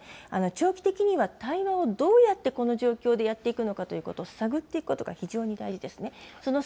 長期的には対話をどうやってこの状況でやっていくのかということを探っていくことが非常に大事ですね。